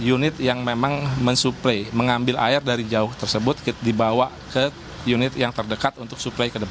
unit yang memang mensuplai mengambil air dari jauh tersebut dibawa ke unit yang terdekat untuk suplai ke depan